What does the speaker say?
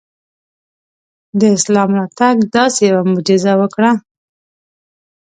د اسلام راتګ داسې یوه معجزه وکړه.